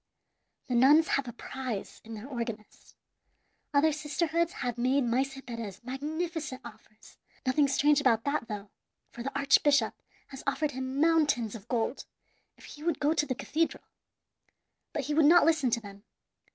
The nuns have a prize in their organist. Other sisterhoods have made Maese Perez magnificent offers; nothing strange about that, though, for the very archbishop has offered him mountains of gold if he would go to the cathedral. But he would not listen to them.